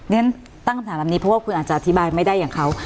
ฉันตั้งคำถามแบบนี้เพราะว่าคุณอาจจะอธิบายไม่ได้อย่างเขา